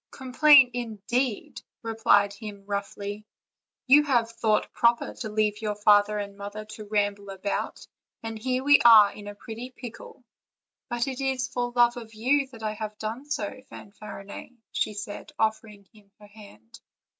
"Complain, indeed!" replied he roughly; "you have thought proper to leave your father and mother to ramble about; and here we are in a pretty pickle!" "But it is for love of you that I have done so, Fan farinet," said she, offering him her hand.